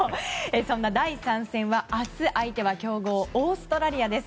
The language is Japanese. そんな第３戦は明日で相手は強豪オーストラリアです。